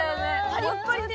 パリッパリでね。